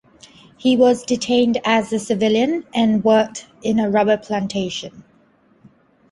He was detained as a civilian, and worked in a rubber plantation.